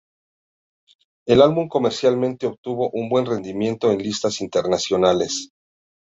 El Álbum comercialmente Obtuvo un buen rendimiento en Listas Internacionales.